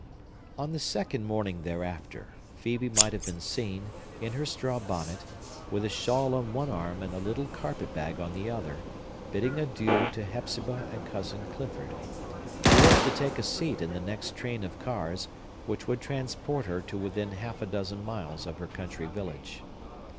On the second morning thereafter, Phœbe might have been seen, in her straw bonnet, with a shawl on one arm and a little carpet bag on the other, bidding adieu to Hepzibah and Cousin Clifford. She was to take a seat in the next train of cars, which would transport her to within half a dozen miles of her country village.